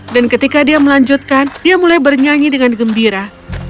dan ketika dia melanjutkan dia mulai bernyanyi dengan gembira